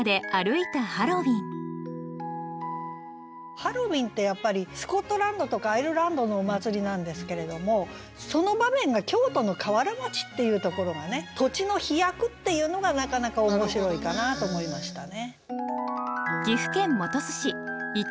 ハロウィンってやっぱりスコットランドとかアイルランドのお祭りなんですけれどもその場面が京都の河原町っていうところがね土地の飛躍っていうのがなかなか面白いかなと思いましたね。